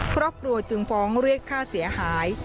ครอบครัวจึงฟ้องเรียกค่าเสียหาย